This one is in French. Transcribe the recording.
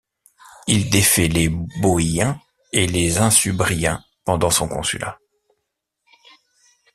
Il défait les Boïens et les Insubriens pendant son consulat.